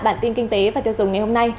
bản tin kinh tế và tiêu dùng ngày hôm nay